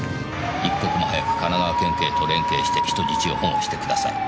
「一刻も早く神奈川県警と連携して人質を保護してください」